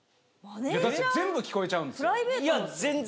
だって全部聞こえちゃうんですよ。